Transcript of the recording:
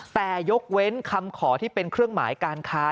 แต่ยกเว้นคำขอที่เป็นเครื่องหมายการค้า